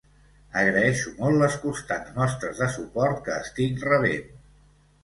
Agreixo molt les constants mostres de suport que estic rebent.